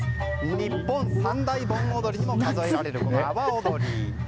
日本三大盆踊りにも数えられる阿波踊り。